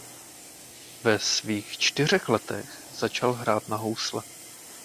Ve svých čtyřech letech začal hrát na housle.